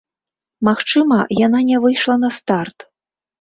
Магчыма, яна не выйшла на старт.